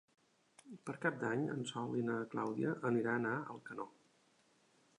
Per Cap d'Any en Sol i na Clàudia aniran a Alcanó.